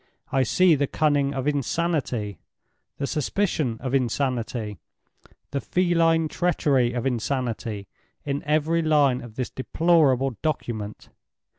"I see the cunning of insanity, the suspicion of insanity, the feline treachery of insanity in every line of this deplorable document.